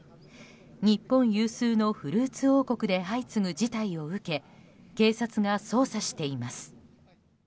日本有数のフルーツ王国で相次ぐ事態を受け警察が捜査しています。